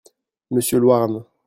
Monsieur Louarn.